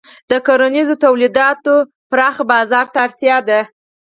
د کرنیزو تولیداتو پراخ بازار ته اړتیا ده.